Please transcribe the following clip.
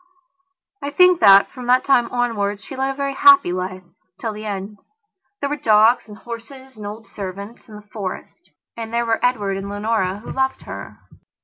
I think that, from that time onwards, she led a very happy life, till the end. There were dogs and horses and old servants and the Forest. And there were Edward and Leonora, who loved her.